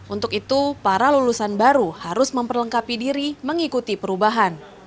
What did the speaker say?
untuk itu para lulusan baru harus memperlengkapi diri mengikuti perubahan